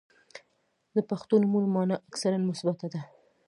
• د پښتو نومونو مانا اکثراً مثبته ده.